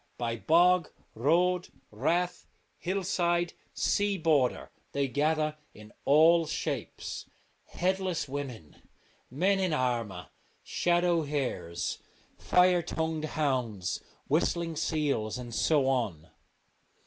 By bog, road, rath, hillside, sea border they gather in all shapes : headless women, men in armour, shadow hares, fire tongued hounds, whistling seals, and so on.